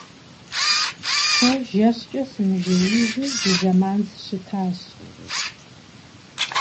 Se jjeşç'e sımıjjêijju zı zeman sışıtaş.